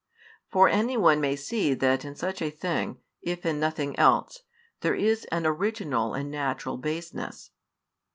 For anyone may see that in such a thing, if in nothing else, there is an original and natural baseness.